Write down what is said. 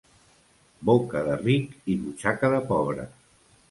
Boca de ric i butxaca de pobre.